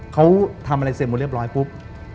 เขาทำอะไรเสร็จหมดเรียบร้อยปุ๊บ